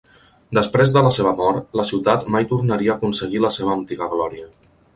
Després de la seva mort, la ciutat mai tornaria a aconseguir la seva antiga glòria.